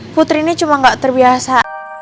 putri ini cuma nggak terbiasa